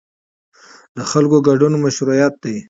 د خلکو ګډون مشروعیت دی